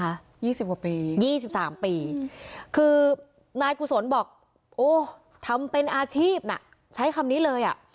๒๐กว่าปี๒๓ปีคือนายกุศลบอกโอ้ทำเป็นอาชีพใช้คำนี้เลยอ่ะ